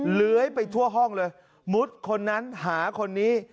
เลื้อยไปทั่วห้องเลยมุดคนนั้นหาคนนี้